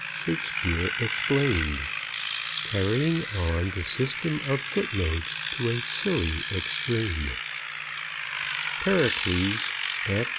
XVIII SHAKESPEARE EXPLAINED Carrying on the System of Footnotes to a Silly Extreme PERICLES ACT II.